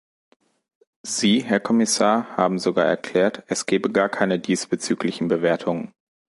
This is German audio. Sie, Herr Kommissar, haben sogar erklärt, es gebe gar keine diesbezüglichen Bewertungen.